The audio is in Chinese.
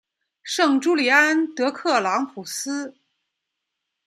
圣朱利安德克朗普斯。